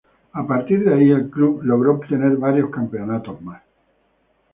De allí en más el club logró obtener varios campeonatos más.